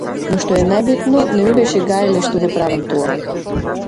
Но што е најбитно, не ми беше гајле што го правам тоа.